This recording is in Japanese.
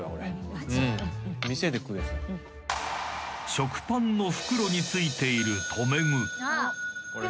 ［食パンの袋に付いている留め具］